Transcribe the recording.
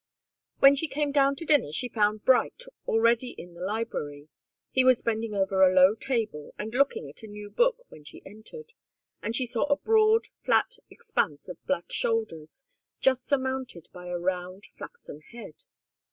When she came down to dinner she found Bright already in the library. He was bending over a low table and looking at a new book when she entered, and she saw a broad, flat expanse of black shoulders, just surmounted by a round, flaxen head.